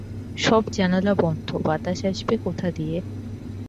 সব জানালা বন্ধ, বাতাস আসবে কোথা দিয়ে?